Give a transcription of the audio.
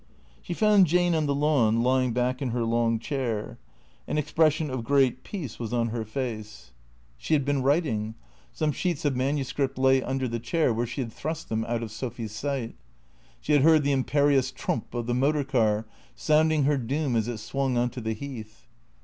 She found Jane on the lawn, lying back in her long chair. An expression of great peace was on her face. 332 T H E C E E A T 0 K S She had been writing. Some sheets of manuscript lay under the chair where she had thrust them out of Sophy's sight. She had heard the imperious trump of the motor car, sounding her doom as it swung on to the Heath.